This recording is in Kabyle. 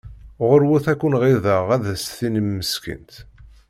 Ɣurwat ad ken-ɣiḍeɣ ad as-tinim meskint.